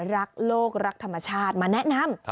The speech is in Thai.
รักโลกรักธรรมชาติมาแนะนำ